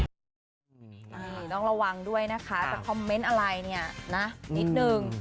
นี่ต้องระวังด้วยนะคะจะคอมเมนต์อะไรเนี่ยนะนิดนึง